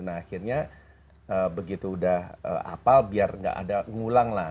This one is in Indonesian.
nah akhirnya begitu udah apa biar nggak ada ngulang lah